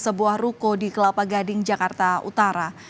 sebuah ruko di kelapa gading jakarta utara